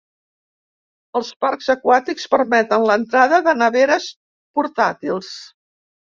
Els parcs aquàtics permeten l'entrada de neveres portàtils.